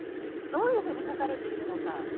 どういうふうに書かれているのか。